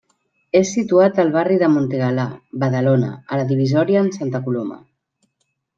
És situat al barri de Montigalà, Badalona, a la divisòria amb Santa Coloma.